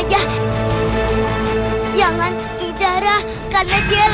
lebih banyak darahnya dan daging